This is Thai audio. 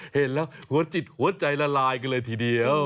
เห็นแล้วหัวจิตหัวใจละลายกันเลยทีเดียว